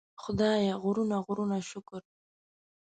خدایه غرونه غرونه شکر.